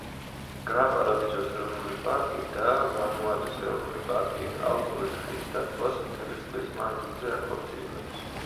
გრან-პარადიზოს ეროვნული პარკი და ვანუაზის ეროვნული პარკი ალპური თხის დაცვას მთელი წლის მანძილზე ახორციელებს.